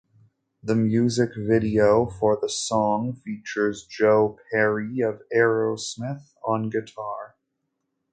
The music video for the song features Joe Perry of Aerosmith on guitar.